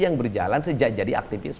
yang berjalan sejak jadi aktivis